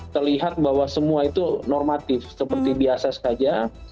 terlihat bahwa semua itu normatif seperti biasa saja